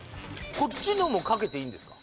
こっちのも賭けていいんですか？